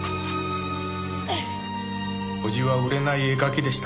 叔父は売れない絵描きでした。